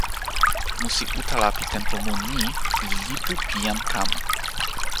musi utala pi tenpo mun ni li "lipu pi jan kama".